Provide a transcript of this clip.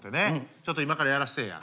ちょっと今からやらしてえや。